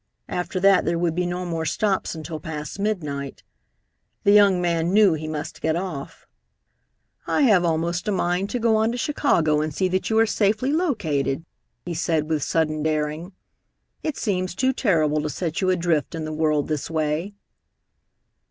After that there would be no more stops until past midnight. The young man knew he must get off. "I have almost a mind to go on to Chicago and see that you are safely located," he said with sudden daring. "It seems too terrible to set you adrift in the world this way."